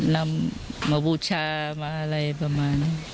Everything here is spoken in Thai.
นำมาบูชามาอะไรประมาณนี้